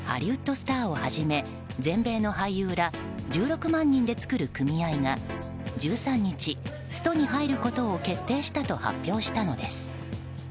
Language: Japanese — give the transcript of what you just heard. スターをはじめ全米の俳優ら１６万人で作る組合が１３日、ストに入ることを決定したと発表したのです。